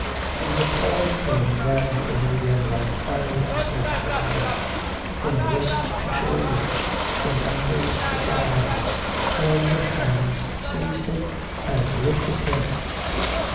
The appalling pain ran through him again like fiery snakes of iron — from wrist to shoulders, from ankles to thighs, as the hands seized him and lifted him.